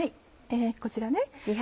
こちらね。